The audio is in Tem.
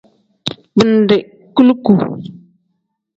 Bindi kuluku.